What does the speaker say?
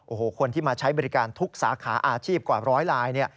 โอ้โฮคนที่มาใช้บริการทุกสาขาอาชีพกว่า๑๐๐ราย